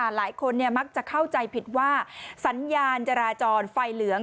หลายคนมักจะเข้าใจผิดว่าสัญญาณจราจรไฟเหลือง